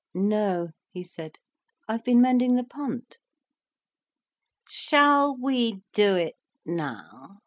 "No," he said, "I've been mending the punt." "Shall we do it now?"